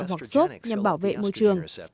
cấm sử dụng hoặc sốt nhằm bảo vệ môi trường